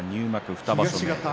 ２場所目。